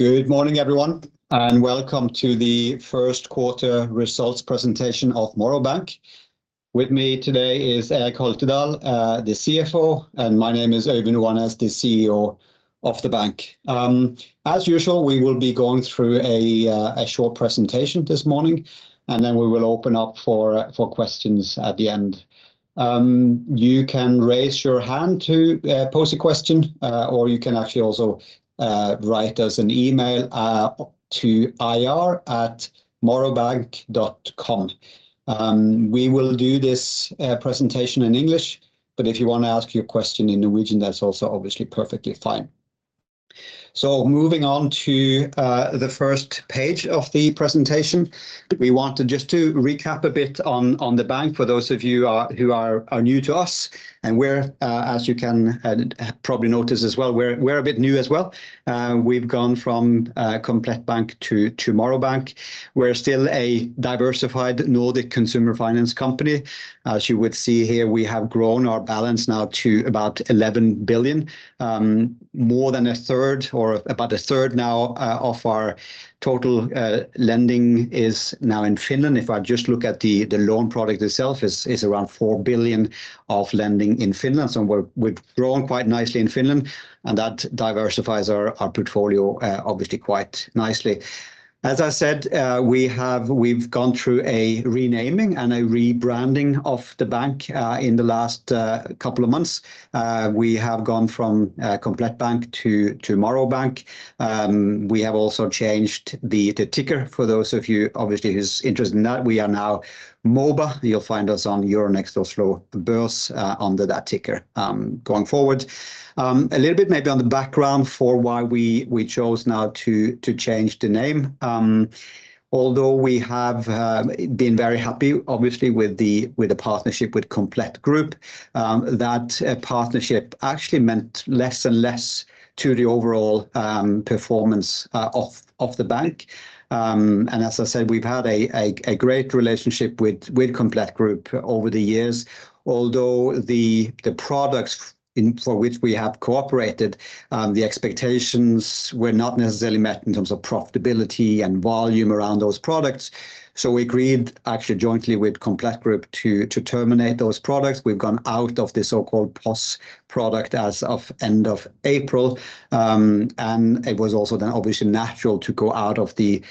Good morning, everyone, and welcome to the First Quarter Results Presentation of Morrow Bank. With me today is Eirik Holtedahl, the CFO, and my name is Øyvind Oanes, the CEO of the bank. As usual, we will be going through a short presentation this morning, and then we will open up for questions at the end. You can raise your hand to pose a question, or you can actually also write us an email to ir@morrowbank.com. We will do this presentation in English, but if you wanna ask your question in Norwegian, that's also obviously perfectly fine. Moving on to the first page of the presentation, we want to just to recap a bit on the bank for those of you who are new to us, as you can probably notice as well, we're a bit new as well. We've gone from Komplett Bank to Morrow Bank. We're still a diversified Nordic consumer finance company. As you would see here, we have grown our balance now to about 11 billion, more than a third or about a third now of our total lending is now in Finland. If I just look at the loan product itself is around 4 billion of lending in Finland. We've grown quite nicely in Finland, and that diversifies our portfolio obviously quite nicely. As I said, we've gone through a renaming and a rebranding of the bank in the last couple of months. We have gone from Komplett Bank to Morrow Bank. We have also changed the ticker for those of you obviously who's interested in that. We are now MOBA. You'll find us on Euronext Oslo Børs under that ticker going forward. A little bit maybe on the background for why we chose now to change the name. Although we have been very happy obviously with the partnership with Komplett Group, that partnership actually meant less and less to the overall performance of the bank. As I said, we've had a great relationship with Komplett Group over the years. Although the products for which we have cooperated, the expectations were not necessarily met in terms of profitability and volume around those products. We agreed actually jointly with Komplett Group to terminate those products. We've gone out of the so-called POS product as of end of April. It was also then obviously natural to go out of the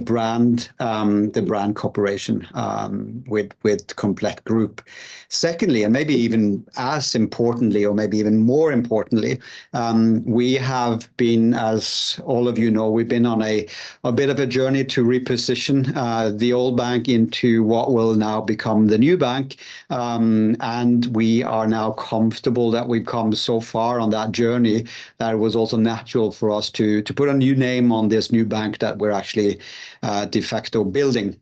brand, the brand cooperation with Komplett Group. Secondly, maybe even as importantly or maybe even more importantly, we have been, as all of you know, we've been on a bit of a journey to reposition the old bank into what will now become the new bank. We are now comfortable that we've come so far on that journey that it was also natural for us to put a new name on this new bank that we're actually, de facto building.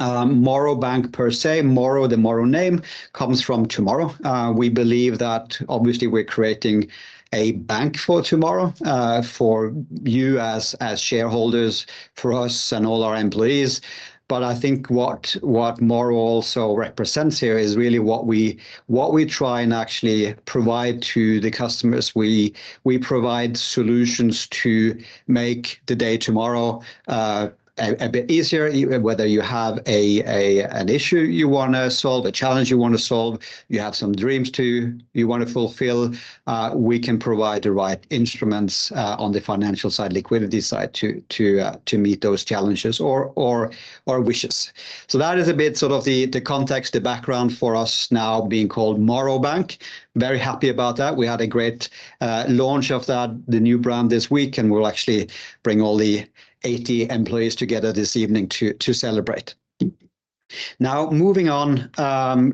Morrow Bank per se, Morrow, the Morrow name comes from tomorrow. We believe that obviously we're creating a bank for tomorrow, for you as shareholders, for us and all our employees. I think what Morrow also represents here is really what we, what we try and actually provide to the customers. We provide solutions to make the day tomorrow a bit easier, whether you have an issue you wanna solve, a challenge you wanna solve, you have some dreams you want to fulfill, we can provide the right instruments on the financial side, liquidity side to meet those challenges or wishes. That is a bit sort of the context, the background for us now being called Morrow Bank. Very happy about that. We had a great launch of the new brand this week, and we'll actually bring all the 80 employees together this evening to celebrate. Moving on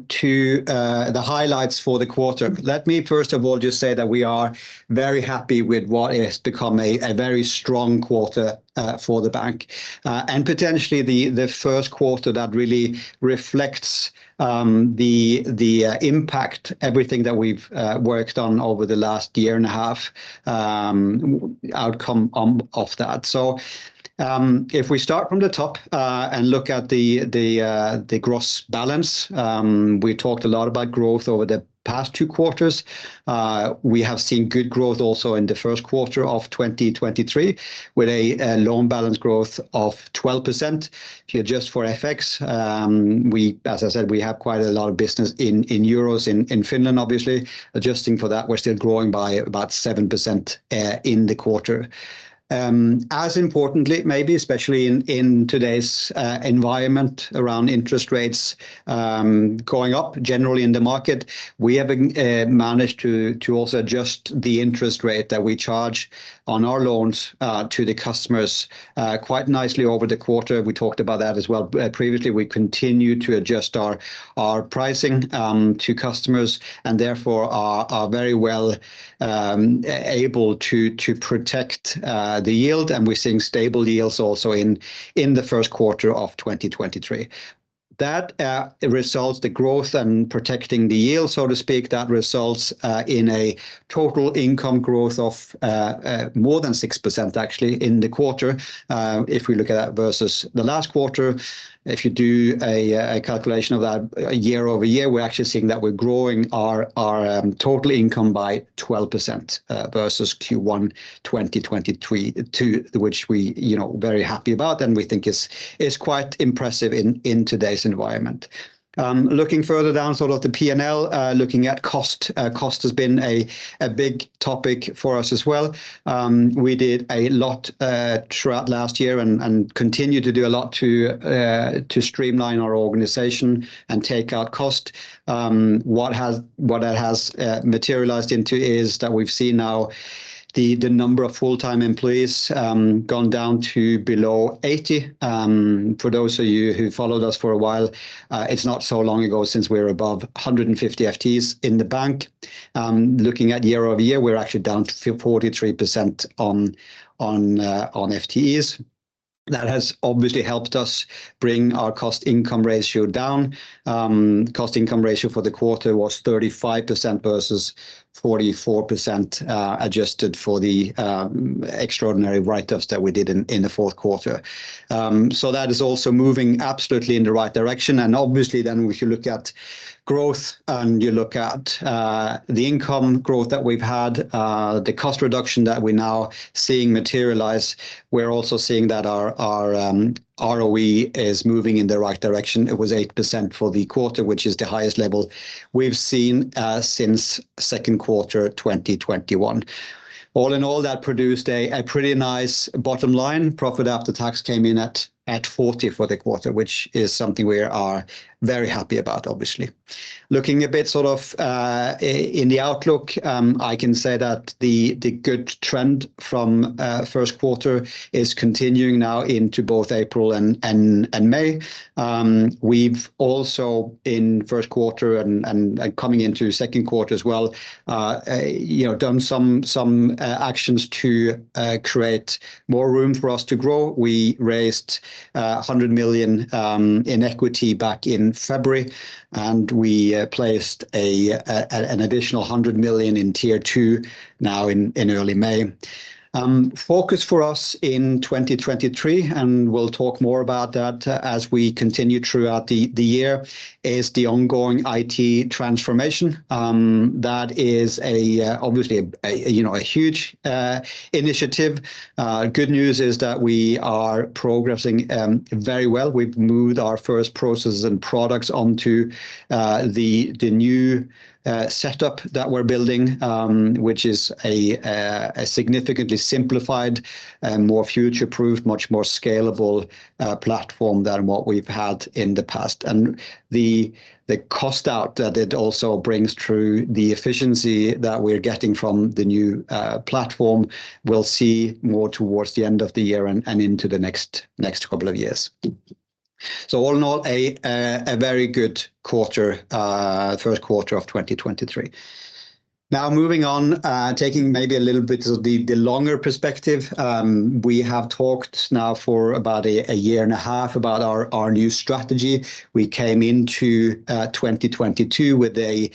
to the highlights for the quarter. Let me first of all just say that we are very happy with what has become a very strong quarter for the bank and potentially the first quarter that really reflects the impact, everything that we've worked on over the last year and a half, outcome of that. If we start from the top and look at the gross balance, we talked a lot about growth over the past two quarters. We have seen good growth also in the first quarter of 2023 with a loan balance growth of 12%. If you adjust for FX, as I said, we have quite a lot of business in euros in Finland, obviously. Adjusting for that, we're still growing by about 7% in the quarter. As importantly, maybe especially in today's environment around interest rates, going up generally in the market, we have managed to also adjust the interest rate that we charge on our loans to the customers quite nicely over the quarter. We talked about that as well previously. We continue to adjust our pricing to customers and therefore are very well able to protect the yield. We're seeing stable yields also in the first quarter of 2023. That results the growth and protecting the yield, so to speak, in a total income growth of more than 6% actually in the quarter, if we look at that versus the last quarter. If you do a calculation of that year-over-year, we're actually seeing that we're growing our total income by 12% versus Q1 2023 to which we, you know, very happy about and we think is quite impressive in today's environment. Looking further down sort of the P&L, looking at cost. Cost has been a big topic for us as well. We did a lot throughout last year and continue to do a lot to streamline our organization and take out cost. What that has materialized into is that we've seen now the number of full-time employees gone down to below 80. For those of you who followed us for a while, it's not so long ago since we were above 150 FTEs in the bank. Looking at year-over-year, we're actually down to 43% on FTEs. That has obviously helped us bring our cost-income ratio down. Cost-income ratio for the quarter was 35% versus 44%, adjusted for the extraordinary write-offs that we did in the fourth quarter. That is also moving absolutely in the right direction. Obviously then we should look at growth, and you look at the income growth that we've had, the cost reduction that we're now seeing materialize. We're also seeing that our ROE is moving in the right direction. It was 8% for the quarter, which is the highest level we've seen since second quarter of 2021. All in all, that produced a pretty nice bottom line. Profit after tax came in at 40 million for the quarter, which is something we are very happy about, obviously. Looking a bit sort of in the outlook, I can say that the good trend from first quarter is continuing now into both April and May. We've also in first quarter and coming into second quarter as well, you know, done some actions to create more room for us to grow. We raised 100 million in equity back in February. We placed an additional 100 million in Tier 2 now in early May. Focus for us in 2023, and we'll talk more about that as we continue throughout the year, is the ongoing IT transformation. That is obviously a, you know, a huge initiative. Good news is that we are progressing very well. We've moved our first processes and products onto the new setup that we're building, which is a significantly simplified and more future-proofed, much more scalable platform than what we've had in the past. The cost out that it also brings through the efficiency that we're getting from the new platform, we'll see more towards the end of the year and into the next couple of years. All in all, a very good quarter, first quarter of 2023. Moving on, taking maybe a little bit of the longer perspective. We have talked now for about a year and a half about our new strategy. We came into 2022 with a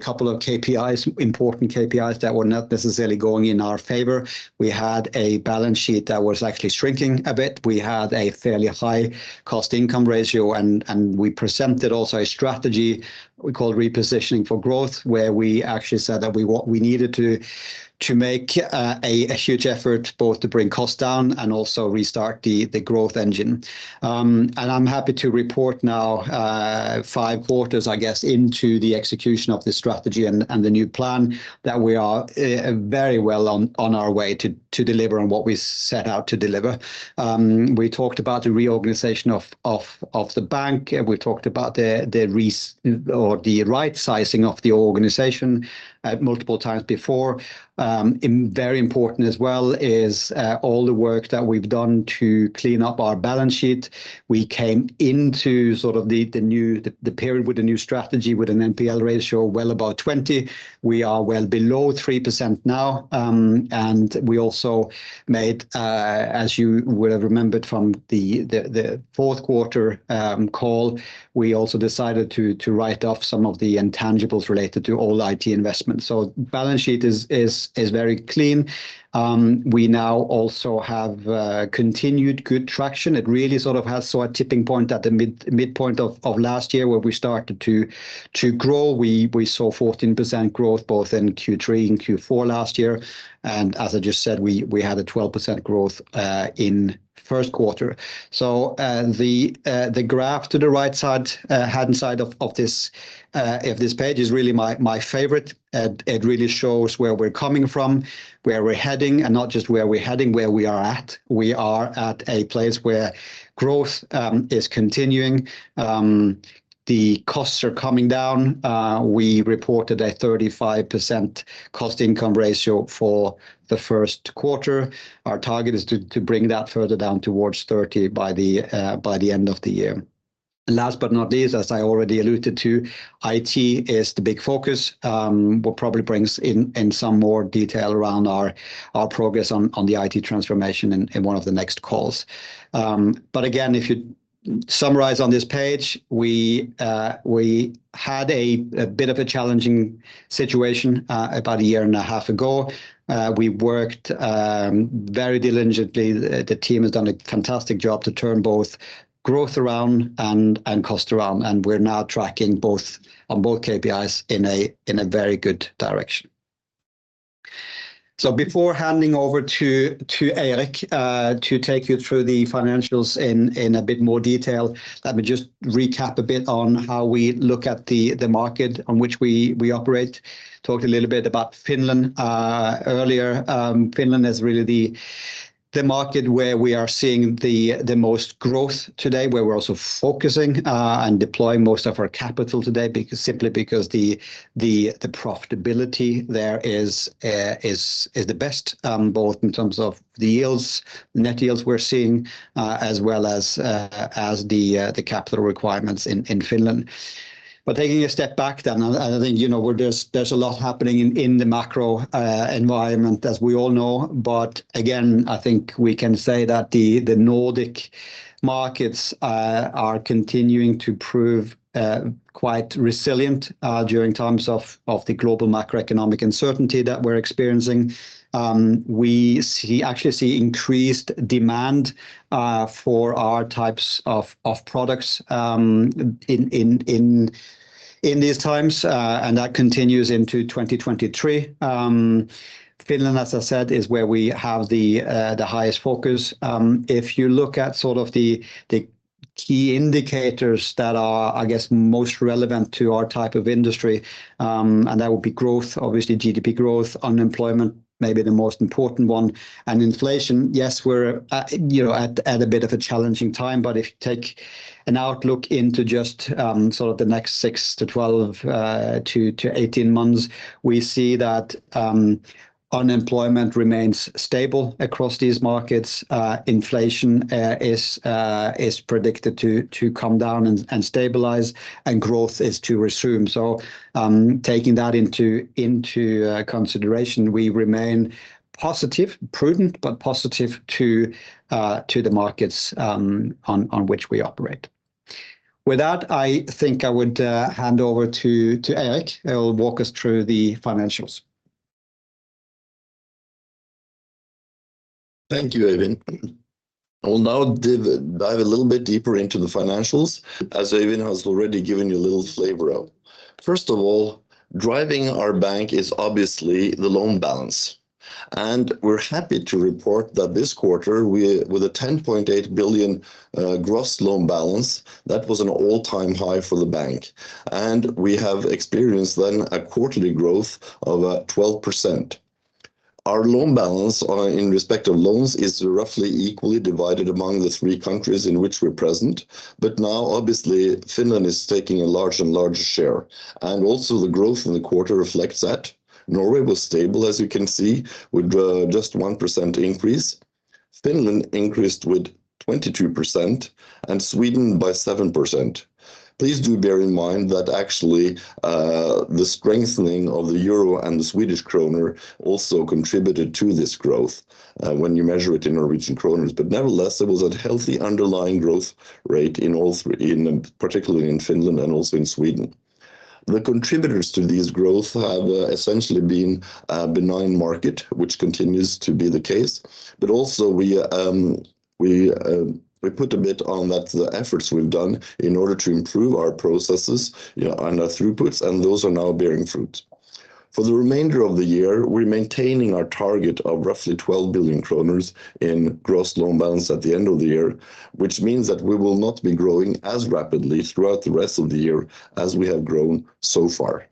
couple of KPIs, important KPIs that were not necessarily going in our favor. We had a balance sheet that was actually shrinking a bit. We had a fairly high cost-income ratio. We presented also a strategy we called repositioning for growth, where we actually said that we needed to make a huge effort both to bring costs down and also restart the growth engine. I'm happy to report now, five quarters, I guess, into the execution of this strategy and the new plan that we are very well on our way to deliver on what we set out to deliver. We talked about the reorganization of the bank, and we talked about the right sizing of the organization, multiple times before. Very important as well is all the work that we've done to clean up our balance sheet. We came into sort of the period with the new strategy with an NPL ratio well above 20. We are well below 3% now. We also made, as you would have remembered from the fourth quarter call, we also decided to write off some of the intangibles related to all IT investments. Balance sheet is very clean. We now also have continued good traction. It really sort of has saw a tipping point at the midpoint of last year where we started to grow. We saw 14% growth both in Q3 and Q4 last year. As I just said, we had a 12% growth in first quarter. The graph to the right side hand side of this page is really my favorite. It really shows where we're coming from, where we're heading, and not just where we're heading, where we are at. We are at a place where growth is continuing. The costs are coming down. We reported a 35% cost-income ratio for the first quarter. Our target is to bring that further down towards 30 by the end of the year. Last but not least, as I already alluded to, IT is the big focus. We'll probably bring in some more detail around our progress on the IT transformation in one of the next calls. Again, to summarize on this page, we had a bit of a challenging situation about a year and a half ago. We worked very diligently. The team has done a fantastic job to turn both growth around and cost around, and we're now tracking both on both KPIs in a very good direction. Before handing over to Eirik to take you through the financials in a bit more detail, let me just recap a bit on how we look at the market on which we operate. Talked a little bit about Finland earlier. Finland is really the market where we are seeing the most growth today, where we're also focusing and deploying most of our capital today simply because the profitability there is the best, both in terms of the yields, the net yields we're seeing, as well as the capital requirements in Finland. Taking a step back then, I think, you know, there's a lot happening in the macro environment as we all know. Again, I think we can say that the Nordic markets are continuing to prove quite resilient during times of the global macroeconomic uncertainty that we're experiencing. We actually see increased demand for our types of products in these times, and that continues into 2023. Finland, as I said, is where we have the highest focus. If you look at sort of the key indicators that are, I guess, most relevant to our type of industry, and that would be growth, obviously GDP growth, unemployment, maybe the most important one, and inflation. We're, you know, at a bit of a challenging time, but if you take an outlook into just sort of the next six to 12 to 18 months, we see that unemployment remains stable across these markets. Inflation is predicted to come down and stabilize, and growth is to resume. Taking that into consideration, we remain positive, prudent, but positive to the markets on which we operate. With that, I think I would hand over to Eirik, who'll walk us through the financials. Thank you, Øyvind. I will now dive a little bit deeper into the financials, as Øyvind has already given you a little flavor of. First of all, driving our bank is obviously the loan balance, and we're happy to report that this quarter with a 10.8 billion gross loan balance, that was an all-time high for the bank. We have experienced then a quarterly growth of 12%. Our loan balance in respect of loans is roughly equally divided among the three countries in which we're present. Now obviously, Finland is taking a large and larger share, and also the growth in the quarter reflects that. Norway was stable, as you can see, with just 1% increase. Finland increased with 22%, and Sweden by 7%. Please do bear in mind that actually, the strengthening of the euro and the Swedish krona also contributed to this growth, when you measure it in Norwegian kroner. Nevertheless, there was a healthy underlying growth rate in all three, particularly in Finland and also in Sweden. The contributors to this growth have essentially been a benign market, which continues to be the case. Also we put a bit on that the efforts we've done in order to improve our processes, you know, and our throughputs, and those are now bearing fruit. For the remainder of the year, we're maintaining our target of roughly 12 billion kroner in gross loan balance at the end of the year, which means that we will not be growing as rapidly throughout the rest of the year as we have grown so far.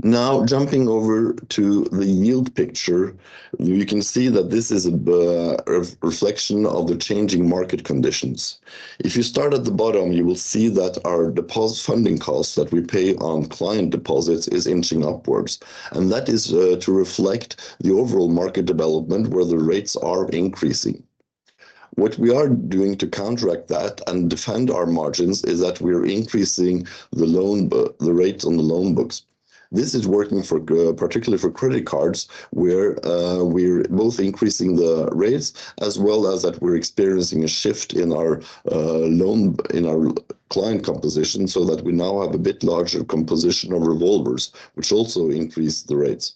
Jumping over to the yield picture, you can see that this is a reflection of the changing market conditions. If you start at the bottom, you will see that our deposit funding cost that we pay on client deposits is inching upwards. That is to reflect the overall market development where the rates are increasing. What we are doing to counteract that and defend our margins is that we are increasing the rates on the loan books. This is working particularly for credit cards, where we're both increasing the rates as well as that we're experiencing a shift in our client composition so that we now have a bit larger composition of revolvers, which also increase the rates.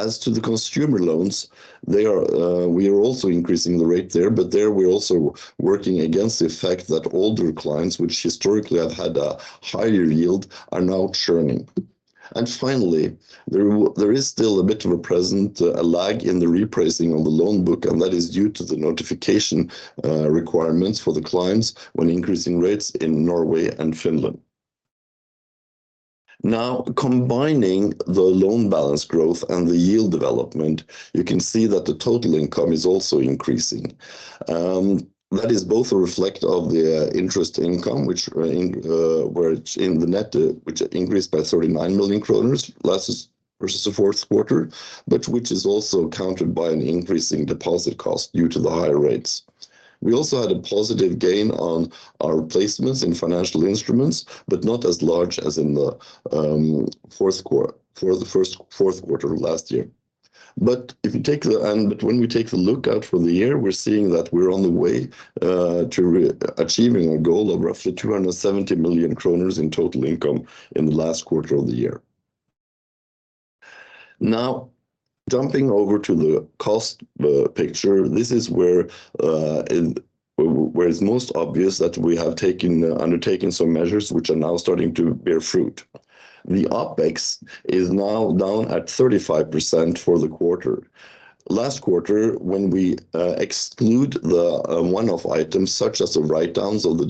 As to the consumer loans, they are, we are also increasing the rate there, but there we're also working against the effect that older clients, which historically have had a higher yield, are now churning. Finally, there is still a bit of a present, a lag in the repricing of the loan book, and that is due to the notification requirements for the clients when increasing rates in Norway and Finland. Combining the loan balance growth and the yield development, you can see that the total income is also increasing. That is both a reflect of the interest income which in, which in the net, which increased by 39 million kroner last versus the fourth quarter, but which is also countered by an increasing deposit cost due to the higher rates. We also had a positive gain on our placements in financial instruments, but not as large as in the fourth quarter of last year. When we take the lookout for the year, we're seeing that we're on the way to re-achieving our goal of roughly 270 million kroner in total income in the last quarter of the year. Jumping over to the cost picture, this is where it's most obvious that we have undertaken some measures which are now starting to bear fruit. The OpEx is now down at 35% for the quarter. Last quarter, when we exclude the one-off items, such as the write-downs of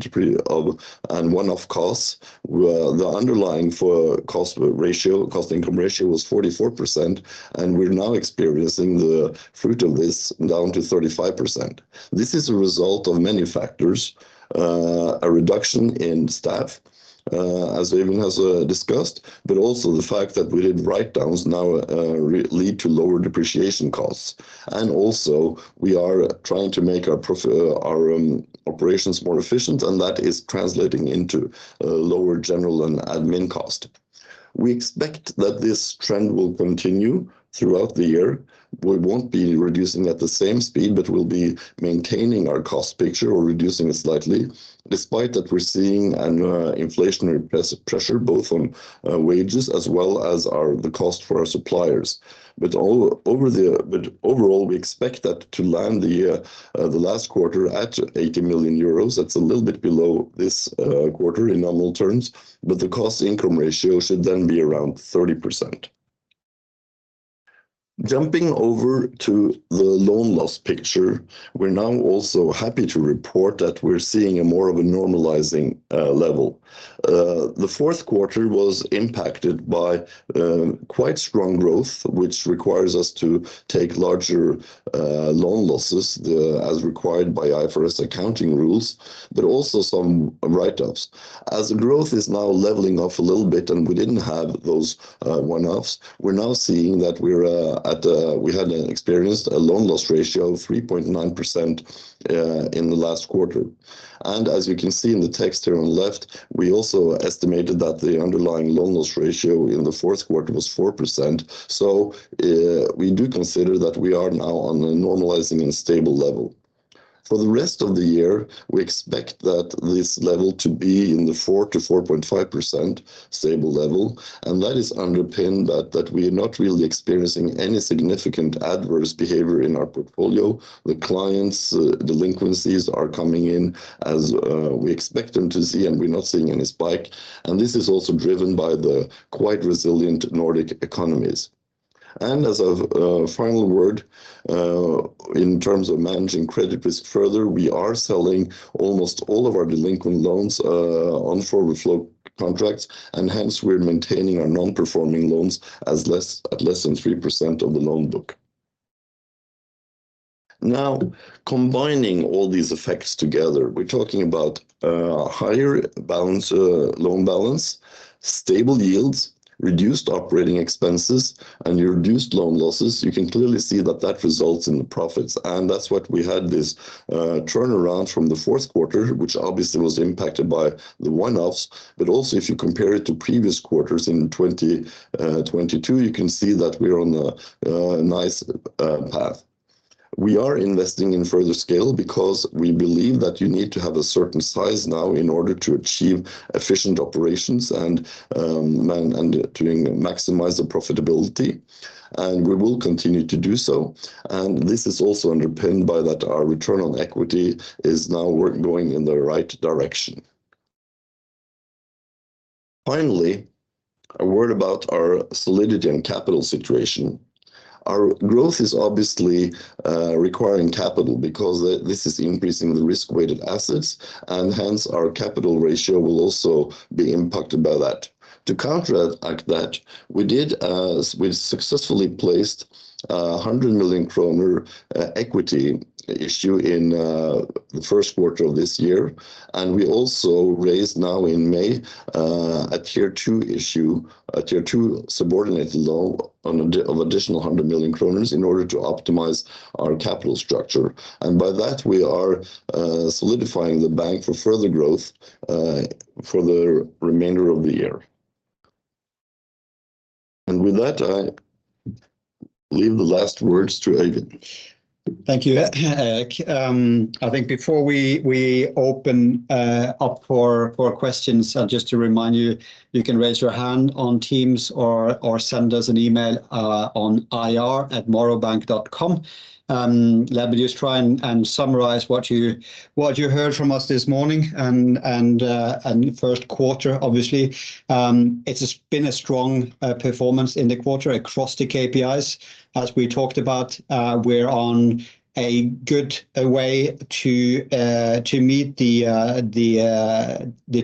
one-off costs, well, the underlying cost-income ratio was 44%, and we're now experiencing the fruit of this down to 35%. This is a result of many factors, a reduction in staff, as Eirik discussed, but also the fact that we did write-downs now lead to lower depreciation costs. Also, we are trying to make our operations more efficient, and that is translating into lower general and admin cost. We expect that this trend will continue throughout the year. We won't be reducing at the same speed, but we'll be maintaining our cost picture or reducing it slightly, despite that we're seeing an inflationary pressure both on wages as well as our the cost for our suppliers. Overall, we expect that to land the last quarter at €80 million. That's a little bit below this quarter in normal terms, the cost-income ratio should then be around 30%. Jumping over to the loan loss picture, we're now also happy to report that we're seeing a more of a normalizing level. The fourth quarter was impacted by quite strong growth, which requires us to take larger loan losses as required by IFRS accounting rules, also some write-ups. As growth is now leveling off a little bit and we didn't have those one-offs, we're now seeing that we're at we had experienced a loan loss ratio of 3.9% in the last quarter. As you can see in the text here on the left, we also estimated that the underlying loan loss ratio in the fourth quarter was 4%. We do consider that we are now on a normalizing and stable level. For the rest of the year, we expect that this level to be in the 4%-4.5% stable level, and that is underpinned that we are not really experiencing any significant adverse behavior in our portfolio. The clients' delinquencies are coming in as we expect them to see, and we're not seeing any spike. This is also driven by the quite resilient Nordic economies. As a final word, in terms of managing credit risk further, we are selling almost all of our delinquent loans on forward-flow contracts, and hence we're maintaining our non-performing loans at less than 3% of the loan book. Combining all these effects together, we're talking about higher balance, loan balance, stable yields, reduced operating expenses, and reduced loan losses. You can clearly see that that results in the profits. That's what we had this turnaround from the fourth quarter, which obviously was impacted by the one-offs. Also if you compare it to previous quarters in 2022, you can see that we're on a nice path. We are investing in further scale because we believe that you need to have a certain size now in order to achieve efficient operations and to maximize the profitability, and we will continue to do so. This is also underpinned by that our return on equity is now going in the right direction. Finally, a word about our solidity and capital situation. Our growth is obviously requiring capital because this is increasing the risk-weighted assets, and hence our capital ratio will also be impacted by that. To counteract that, we've successfully placed a 100 million kroner equity issue in the first quarter of this year. We also raised now in May a Tier 2 issue, a Tier 2 subordinate loan of additional 100 million kroner in order to optimize our capital structure. By that, we are solidifying the bank for further growth for the remainder of the year. With that, I leave the last words to Øyvind. Thank you, Eirik. I think before we open up for questions, just to remind you can raise your hand on Teams or send us an email on ir@morrowbank.com. Let me just try and summarize what you heard from us this morning and first quarter, obviously. It's been a strong performance in the quarter across the KPIs. As we talked about, we're on a good way to meet the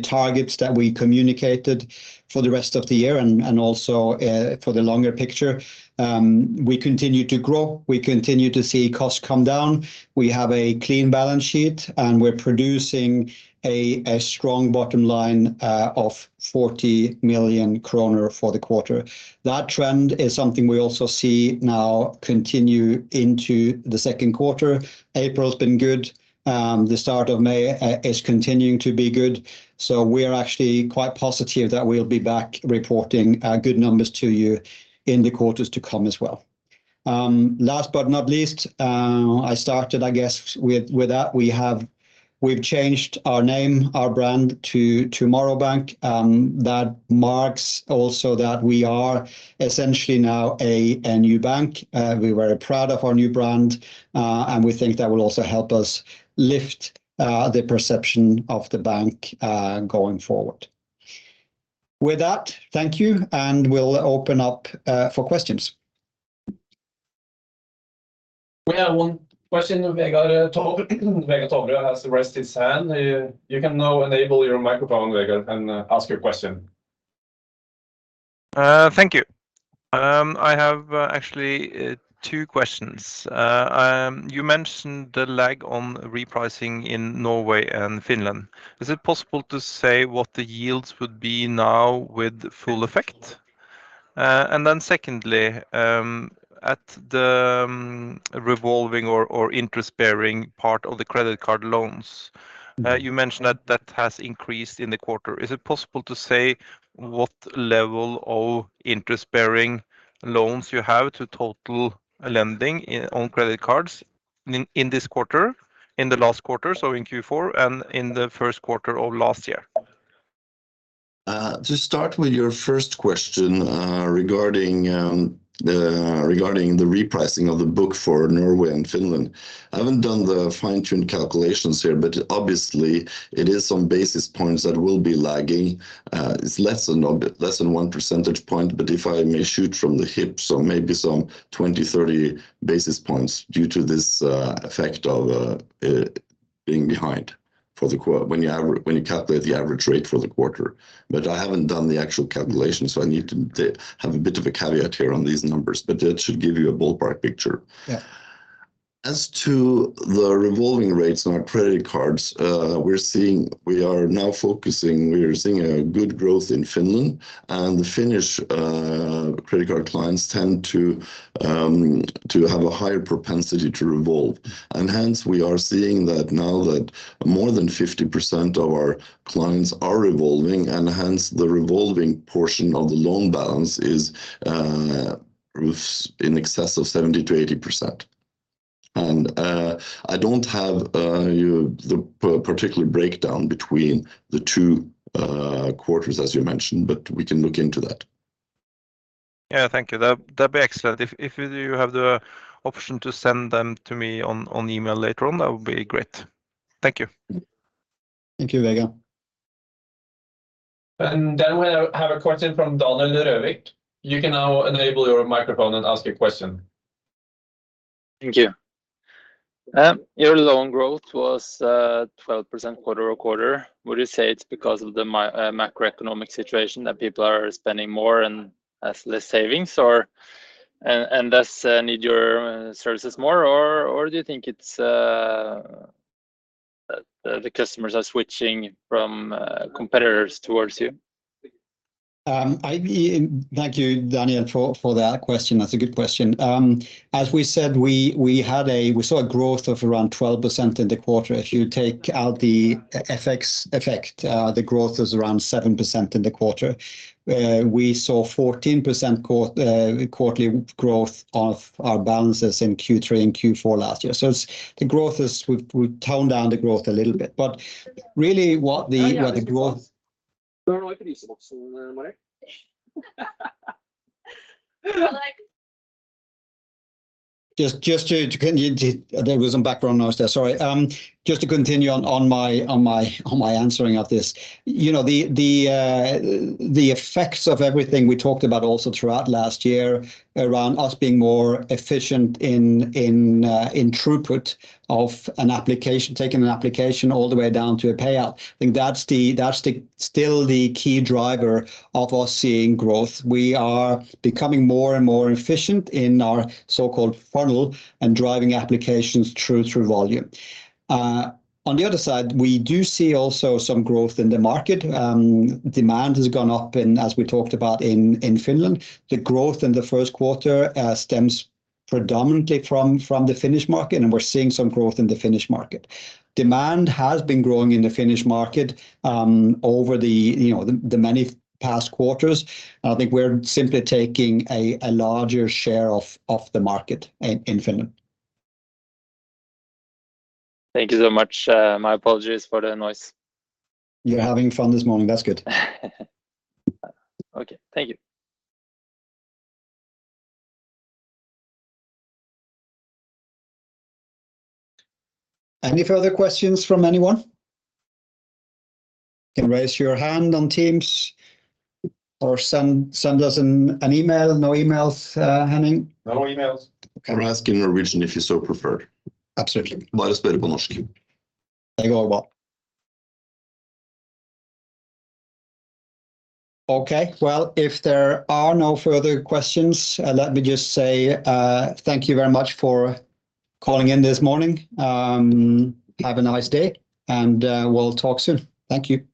targets that we communicated for the rest of the year and also for the longer picture. We continue to grow. We continue to see costs come down. We have a clean balance sheet, and we're producing a strong bottom line of 40 million kroner for the quarter. That trend is something we also see now continue into the second quarter. April's been good. The start of May is continuing to be good. We are actually quite positive that we'll be back reporting good numbers to you in the quarters to come as well. Last but not least, I started, I guess with that we've changed our name, our brand to Morrow Bank, that marks also that we are essentially now a new bank. We're very proud of our new brand, and we think that will also help us lift the perception of the bank going forward. With that, thank you, and we'll open up for questions. We have one question. We got Vegard Toverud has raised his hand. You can now enable your microphone, Vegard, and ask your question. Thank you. I have actually two questions. You mentioned the lag on repricing in Norway and Finland. Is it possible to say what the yields would be now with full effect? Secondly, at the revolving or interest-bearing part of the credit card loans- Mm. You mentioned that that has increased in the quarter. Is it possible to say what level of interest-bearing loans you have to total lending on credit cards in this quarter, in the last quarter, so in Q4, and in the first quarter of last year? To start with your first question, regarding the repricing of the book for Norway and Finland. I haven't done the fine-tuned calculations here, but obviously it is some basis points that will be lagging. It's less than 1 percentage point, but if I may shoot from the hip, so maybe some 20, 30 basis points due to this effect of being behind for the quarter when you calculate the average rate for the quarter. I haven't done the actual calculation, so I need to have a bit of a caveat here on these numbers, but that should give you a ballpark picture. Yeah. As to the revolving rates on our credit cards, we are seeing a good growth in Finland, and the Finnish credit card clients tend to have a higher propensity to revolve. Hence, we are seeing that now that more than 50% of our clients are revolving, and hence the revolving portion of the loan balance is in excess of 70%-80%. I don't have the particular breakdown between the two quarters as you mentioned, but we can look into that. Yeah. Thank you. That'd be excellent. If you have the option to send them to me on email later on, that would be great. Thank you. Thank you, Vegard. We have a question from Daniel Rørvik. You can now enable your microphone and ask your question. Thank you. Your loan growth was 12% quarter-over-quarter. Would you say it's because of the macroeconomic situation that people are spending more and has less savings and thus need your services more, or do you think it's the customers are switching from competitors towards you? Thank you, Daniel, for that question. That's a good question. As we said, we saw a growth of around 12% in the quarter. If you take out the FX effect, the growth is around 7% in the quarter. We saw 14% quarterly growth of our balances in Q3 and Q4 last year. We've toned down the growth a little bit. Really what. I know.... what the growth- No, I could use some money. Just. There was some background noise there. Sorry. Just to continue on my answering of this. You know, the effects of everything we talked about also throughout last year around us being more efficient in throughput of an application, taking an application all the way down to a payout, I think that's still the key driver of us seeing growth. We are becoming more and more efficient in our so-called funnel and driving applications through volume. On the other side, we do see also some growth in the market. Demand has gone up, as we talked about, in Finland. The growth in the first quarter stems predominantly from the Finnish market. We're seeing some growth in the Finnish market. Demand has been growing in the Finnish market, over the, you know, the many past quarters. I think we're simply taking a larger share of the market in Finland. Thank you so much. My apologies for the noise. You're having fun this morning. That's good. Okay. Thank you. Any further questions from anyone? You can raise your hand on Teams or send us an email. No emails, Henning? No emails. Okay. Ask in Norwegian if you so prefer. Absolutely. Okay. Well, if there are no further questions, let me just say, thank you very much for calling in this morning. Have a nice day, and we'll talk soon. Thank you.